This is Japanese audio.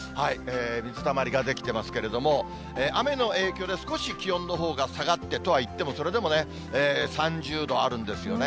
水たまりが出来てますけれども、雨の影響で、少し気温のほうが下がってとはいっても、それでもね、３０度あるんですよね。